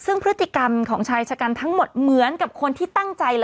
ซึ่งพฤติกรรมของชายชะกันทั้งหมดเหมือนกับคนที่ตั้งใจ